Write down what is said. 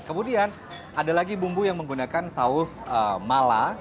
kemudian ada lagi bumbu yang menggunakan saus mala